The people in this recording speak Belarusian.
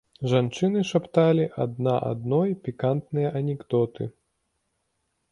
Жанчыны шапталі адна адной пікантныя анекдоты.